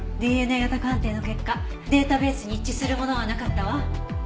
ＤＮＡ型鑑定の結果データベースに一致するものはなかったわ。